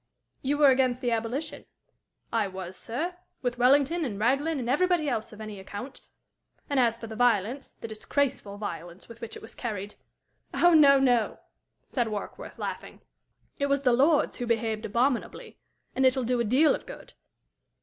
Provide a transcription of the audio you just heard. "You were against the abolition?" "I was, sir with Wellington and Raglan and everybody else of any account. And as for the violence, the disgraceful violence with which it was carried " "Oh no, no," said Warkworth, laughing. "It was the Lords who behaved abominably, and it'll do a deal of good."